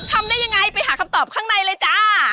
ทำได้ยังไงไปหาคำตอบข้างในเลยจ้า